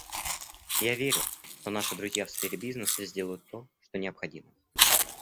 Я верю, что наши друзья в сфере бизнеса сделают то, что необходимо.